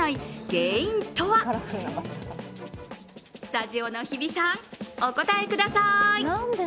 スタジオの日比さん、お答えください。